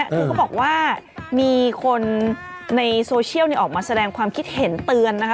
คือเขาบอกว่ามีคนในโซเชียลออกมาแสดงความคิดเห็นเตือนนะคะ